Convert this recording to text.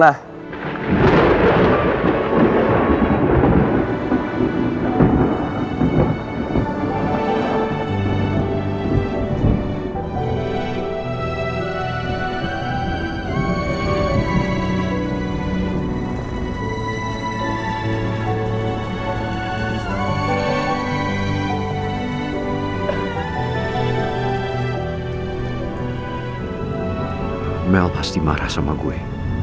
mbak mel pasti marah sama gue